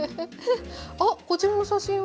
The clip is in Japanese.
あっこちらの写真は？